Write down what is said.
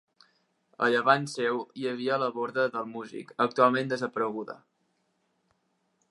A llevant seu hi havia la Borda del Músic, actualment desapareguda.